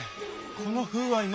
この風合い